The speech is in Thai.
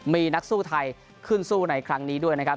มีนักสู้ไทยขึ้นสู้ในครั้งนี้ด้วยนะครับ